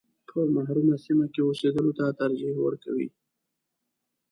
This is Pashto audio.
په محرومه سیمه کې اوسېدلو ته ترجیح ورکوي.